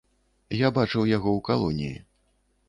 Я бачыў яго ў калоніі.